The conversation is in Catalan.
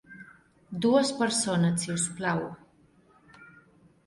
Dues persones, si us plau.